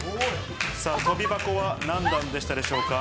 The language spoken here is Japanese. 跳び箱は何段でしたでしょうか？